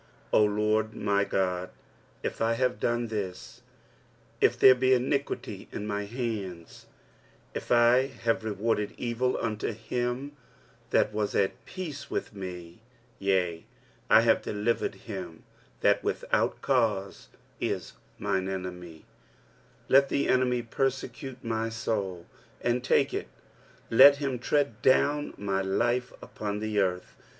18, 14. "O Lord, mj Ood, if 1 have done Ihis ; if there be iniquity in my hands ; if T have rewarded evil unto him that was at peace with me (;es, I have delivered him that without cause is mine enemy) : let the enemy persecute my soul, and take it; jes, let him tread down my life upon the earth."